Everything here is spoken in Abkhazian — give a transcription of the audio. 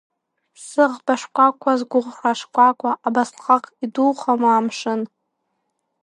Сыӷба шкәакәа сгәыӷра шкәакәа, абасҟак идухама амшын?